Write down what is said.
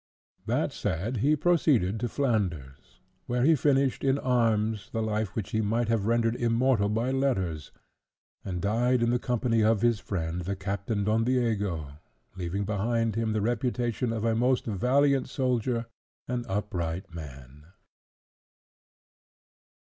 That said, he proceeded to Flanders, where he finished in arms the life which he might have rendered immortal by letters, and died in the company of his friend the Captain Don Diego, leaving behind him the reputation of a most valiant soldier and upright man.